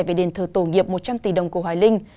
về đền thờ tổ nghiệp một trăm linh tỷ đồng của hoài linh